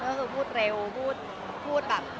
มันก็พูดเร็วพูดแบบกฏ